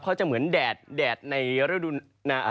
เขาจะเหมือนแดดในระดุหนาว